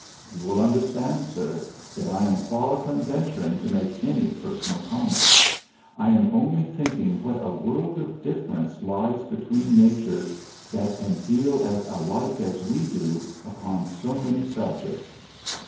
You will understand, sir, that I am far from venturing to make any personal comment. I am only thinking what a world of difference lies between natures that can feel as alike as we do upon so many subjects.